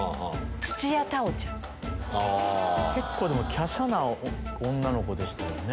結構きゃしゃな女の子でしたよね。